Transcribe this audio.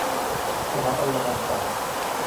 สถาปัตยกรรมศาสตร์